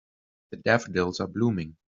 The daffodils are blooming.